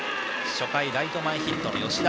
初回、ライト前ヒットの吉田。